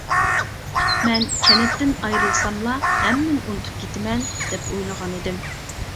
مەن «كەنتتىن ئايرىلساملا، ھەممىنى ئۇنتۇپ كېتىمەن» دەپ ئويلىغانىدىم.